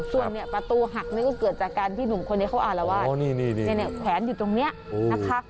ซึ่งประตูหักนี่ก็เกิดจากการที่หนุ่มคนเข้าอารวาสแขนอยู่ตรงนี้นะคะ